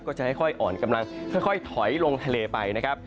ก็จะค่อยอ่อนกำลังค่อยถอยลงทะเลไปนะครับ